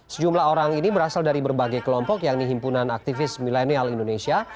sejumlah orang ini berasal dari berbagai kelompok yang dihimpunan aktivis milenial indonesia